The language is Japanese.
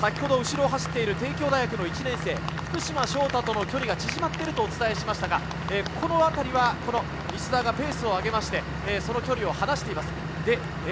後ろを走ってる帝京の１年生・福島渉太との距離が縮まっているとお伝えしましたが、このあたりは西澤がペースを上げてその距離を離しています。